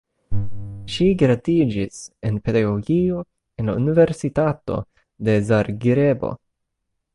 Ŝi gradiĝis en pedagogio en la Universitato de Zagrebo.